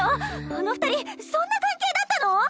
あの２人そんな関係だったの？